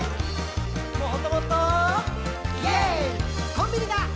「コンビニだ！